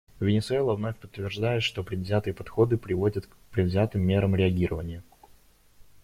Венесуэла вновь подтверждает, что предвзятые подходы приводят к предвзятым мерам реагирования.